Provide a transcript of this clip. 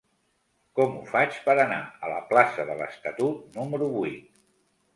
Com ho faig per anar a la plaça de l'Estatut número vuit?